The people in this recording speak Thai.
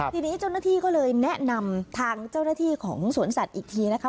ทีนี้เจ้าหน้าที่ก็เลยแนะนำทางเจ้าหน้าที่ของสวนสัตว์อีกทีนะคะ